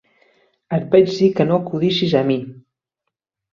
Et vaig dir que no acudissis a mi!